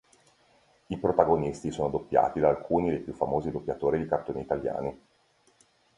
I protagonisti sono doppiati da alcuni dei più famosi doppiatori di cartoni italiani.